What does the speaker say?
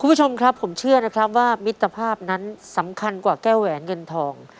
คุณผู้ชมครับผมเชื่อนะครับว่ามิตรภาพนั้นสำคัญกว่าแก้วแหวนเงินทอง